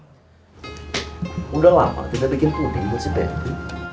sudah lama tidak bikin puding buat si bebi